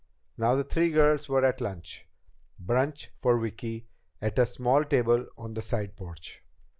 Now the three girls were at lunch brunch for Vicki at a small table on the side porch.